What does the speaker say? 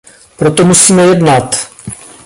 Proto musíme jednat.